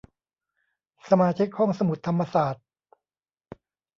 สมาชิกห้องสมุดธรรมศาสตร์